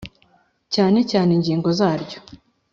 cyane cyane ingingo zaryo